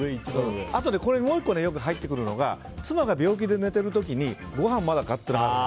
あと、もう１個よく入ってくるのが妻が病気で寝てる時にごはんまだか？って。